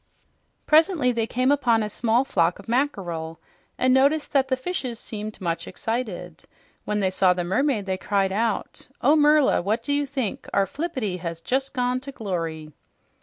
Presently they came upon a small flock of mackerel, and noticed that the fishes seemed much excited. When they saw the mermaid, they cried out, "Oh, Merla! What do you think? Our Flippity has just gone to glory!"